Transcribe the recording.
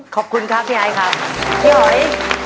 ขอบคุณค่ะพี่ไอค่ะพี่หอย